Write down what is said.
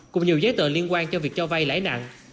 cùng nhiều giấy tờ liên quan cho việc cho vay lãi nặng